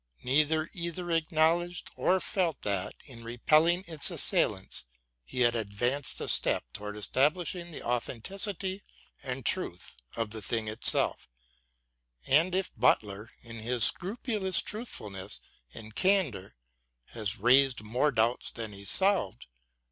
Neither either acknowledged or felt that, in repelling its assailants, he had advanced a step towards establishing the authenticity and truth of the thing itself ; and if Butler, in his scrupulous truthfulness and candour, has raised more doubts than he solved.